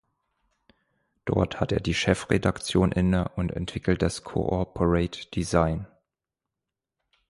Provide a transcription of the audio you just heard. Dort hat er die Chefredaktion inne und entwickelt das Corporate Design.